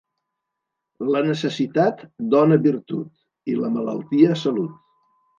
La necessitat dóna virtut i la malaltia salut.